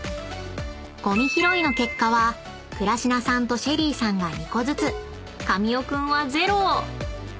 ［ごみ拾いの結果は倉科さんとＳＨＥＬＬＹさんが２個ずつ神尾君はゼロ］